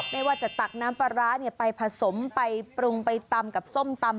ไม่ว่าจะตักน้ำปลาร้าไปผสมไปปรุงไปตำกับส้มตำ